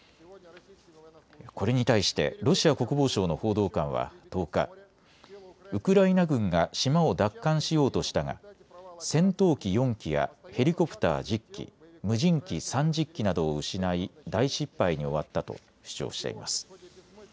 これに対してロシア国防省の報道官は１０日、ウクライナ軍が島を奪還しようとしたが戦闘機４機やヘリコプター１０機、無人機３０機などを失い、大失敗に終わったと主張しています。